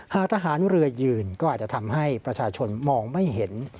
หากทหารเรือยืนก็อาจจะทำให้ประชาชนมองไม่เห็น